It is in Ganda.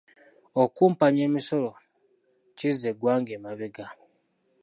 Okukumpanya emisolo kizza eggwanga emabega.